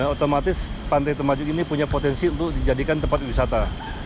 otomatis pantai temajuk ini punya potensi untuk dijadikan tempat wisata